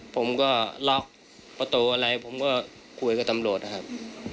ผมก็ล็อกประตูอะไรผมก็คุยกับตำรวจนะครับ